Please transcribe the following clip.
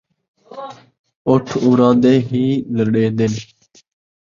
اُٹھ اوڑاندے ءِی لݙیندِن